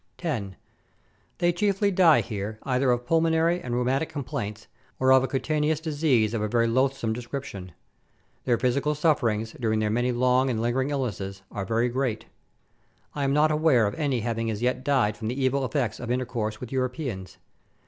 10. They chiefly die here either of pulmonary and rheumatic complaints, or of cutaneous disease of a very loathsome descrip tion ; their physical sufferings, during their many long and lingering illnesses, are very great. I am not aware of any having as yet died from the evil effects of intercourse with Europeans.